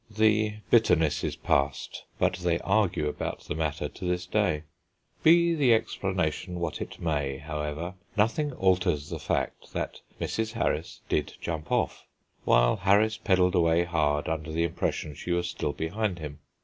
The bitterness is past, but they argue about the matter to this day. Be the explanation what it may, however, nothing alters the fact that Mrs. Harris did jump off, while Harris pedalled away hard, under the impression she was still behind him.